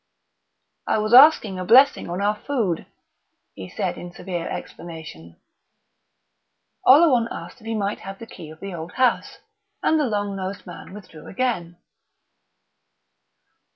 "I was arsking a blessing on our food," he said in severe explanation. Oleron asked if he might have the key of the old house; and the long nosed man withdrew again.